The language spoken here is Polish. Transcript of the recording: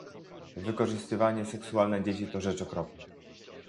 Wykorzystywanie seksualne dzieci to rzecz okropna